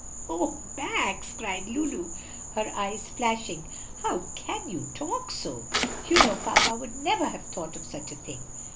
"O Max!" cried Lulu, her eyes flashing, "how can you talk so? You know papa would never have thought of such a thing."